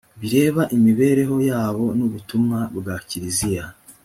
bireba imibereho yabo n’ubutumwa bwa kiliziya